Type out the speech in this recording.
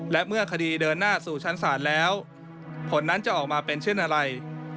และเมื่อคดีเดินหน้าสู่ชั้นศาลแล้วผลนั้นจะออกมาเป็นเช่นอะไร